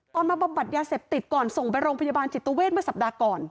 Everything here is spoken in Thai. มาบำบัดยาเสพติดก่อนส่งไปโรงพยาบาลจิตเวทเมื่อสัปดาห์ก่อน